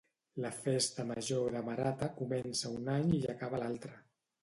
La Festa Major de Marata comença un any i acaba l'altre